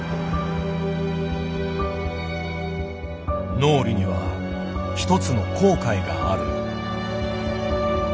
脳裏には一つの後悔がある。